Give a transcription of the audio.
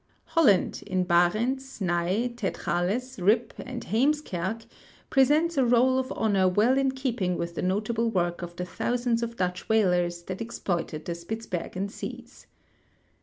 Holland, in Barents, Nay, Tetgales, Rip, and Heemskerck, pre sents a roll of honor Avell in keeping Avith the notable Avork of the thousands of Dutch Avhalers that exploited the Spitzbergen seas.